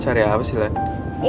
cari apa sih lani